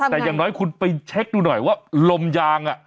แต่อย่างน้อยคุณไปเช็คดูหน่อยว่าลมยาง